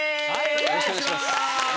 よろしくお願いします。